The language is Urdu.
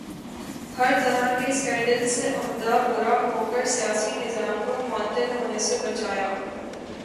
ہر طرح کے سکینڈل سے عہدہ برا ہو کر سیاسی نظام کو معطل ہونے سے بچایا